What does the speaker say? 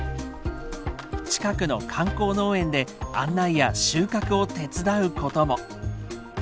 近くの観光農園で案内や収穫を手伝うことも。